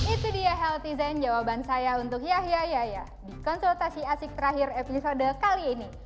itu dia healthy zen jawaban saya untuk yahya yaya di konsultasi asik terakhir episode kali ini